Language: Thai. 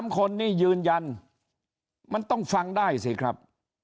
๓คนนี่ยืนยันมันต้องฟังได้สิครับ